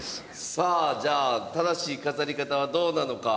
さあじゃあ正しい飾り方はどうなのか？